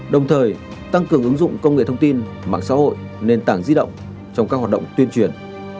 đồng thời tăng cường ứng dụng công nghệ thông tin mạng xã hội nền tảng di động trong các hoạt động tuyên truyền